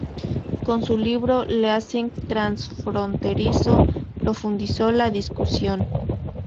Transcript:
Con su libro "Leasing transfronterizo" profundizó la discusión.